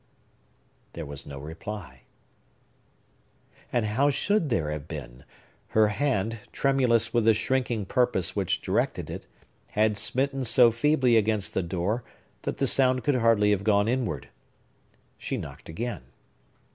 There was no reply. And how should there have been? Her hand, tremulous with the shrinking purpose which directed it, had smitten so feebly against the door that the sound could hardly have gone inward. She knocked again.